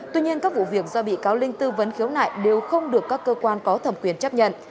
tuy nhiên các vụ việc do bị cáo linh tư vấn khiếu nại đều không được các cơ quan có thẩm quyền chấp nhận